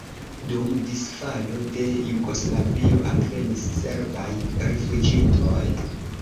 Dum disfalo de Jugoslavio alvenis serbaj rifuĝintoj.